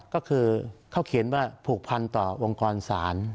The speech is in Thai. ก็คือเขาเขียนว่าผูกพันต่อองค์กรศาล